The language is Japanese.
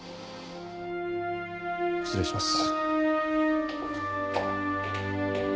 失礼します。